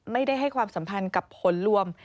ให้ความสัมพันธ์กับผลรวม